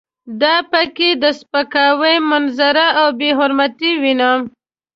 دا په کې د سپکاوي منظره او بې حرمتي وینم.